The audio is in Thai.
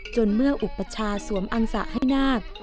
เมื่ออุปชาสวมอังสะให้นาค